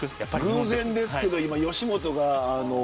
偶然ですけど今、吉本が。